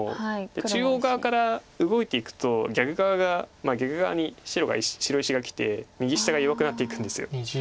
で中央側から動いていくと逆側が逆側に白石がきて右下が弱くなっていくんです。